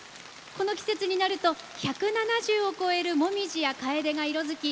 この季節になると１７０を超える紅葉やカエデが色づき